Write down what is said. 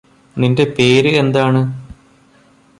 നിന്റെ പേര് എന്താണ്